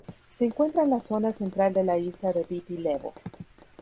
Se encuentra en la zona central de la isla de Viti Levu.